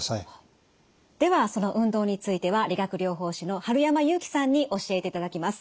ではその運動については理学療法士の春山祐樹さんに教えていただきます。